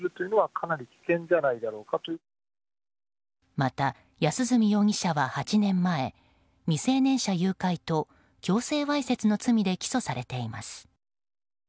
また、安栖容疑者は８年前未成年者誘拐と強制わいせつの罪で起訴されています。